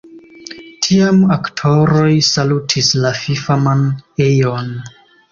Tiam aktoroj salutis la fifaman ejon.